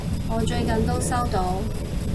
我最近都收到！